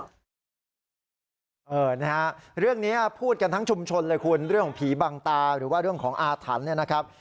นะฮะเรื่องนี้พูดกันทั้งชุมชนเลยคุณเรื่องของผีบังตาหรือว่าเรื่องของอาถรรพ์เนี่ยนะครับ